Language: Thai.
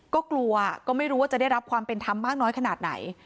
ก็กลัวก็ไม่รู้ว่าจะได้รับความเป็นธรรมมากน้อยขนาดไหน